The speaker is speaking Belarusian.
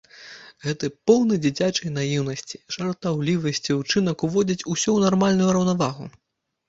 Гэты поўны дзіцячай наіўнасці, жартаўлівасці ўчынак уводзіць усё ў нармальную раўнавагу.